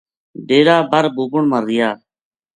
ڈیرا بر بُوبن ما رہیا